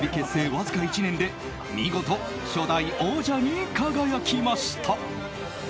わずか１年で見事、初代王者に輝きました。